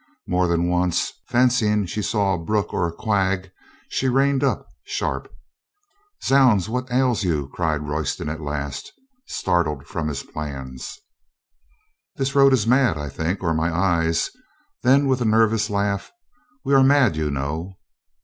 More than once, fancying she saw a brook or a quag, she reined up sharp. "Zounds, what ails you?" cried Royston at last, startled from his plans. "This road is mad, I think, or my eyes." Then, with a nervous laugh, "We are mad, you know."